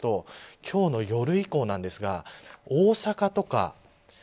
今日の夜以降なんですが大阪とか。